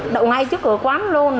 đậu ngay trước cửa quán luôn